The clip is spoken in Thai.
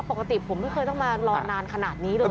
ปกติผมไม่เคยต้องมารอนานขนาดนี้เลย